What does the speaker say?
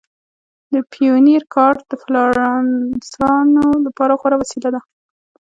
د پیونیر کارډ د فریلانسرانو لپاره غوره وسیله ده.